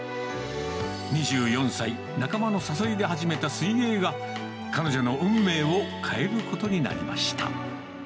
２４歳、仲間の誘いで始めた水泳が、彼女の運命を変えることになりました。